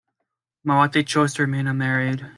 Mayawati chose to remain unmarried.